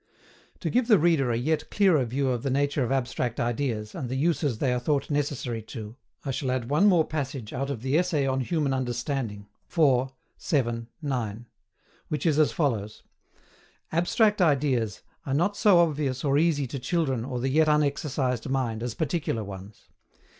To give the reader a yet clearer view of the nature of abstract ideas, and the uses they are thought necessary to, I shall add one more passage out of the Essay on Human Understanding, (IV. vii. 9) which is as follows: "ABSTRACT IDEAS are not so obvious or easy to children or the yet unexercised mind as particular ones.